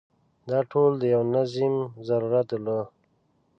دا ټول د یو تنظیم ضرورت درلود.